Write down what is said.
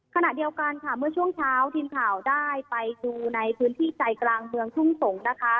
ขณะเดียวกันค่ะเมื่อช่วงเช้าทีมข่าวได้ไปดูในพื้นที่ใจกลางเมืองทุ่งสงศ์นะคะ